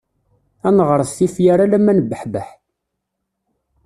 Ad neɣret tifyar alamma nebbeḥbeḥ.